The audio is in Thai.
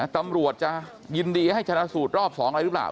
ตำรวจจะยินดีให้ชนะสูตรรอบ๒อะไรหรือเปล่า